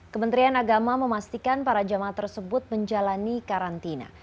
kementerian agama memastikan para jamaah tersebut menjalani karantina